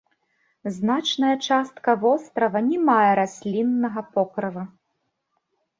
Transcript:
Значная частка вострава не мае расліннага покрыва.